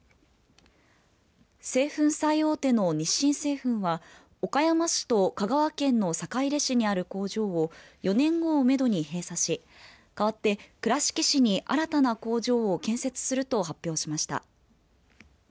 製粉最大手の日清製粉は岡山市と香川県の坂出市にある工場を４年後をめどに閉鎖し代わって倉敷市に新たな工場を建設すると発表しました。